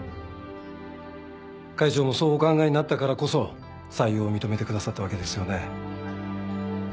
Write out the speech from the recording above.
会長もそうお考えになったからこそ採用を認めてくださったわけですよね。